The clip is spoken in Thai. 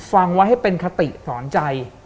ฟังไว้ให้เป็นคติสอนใจ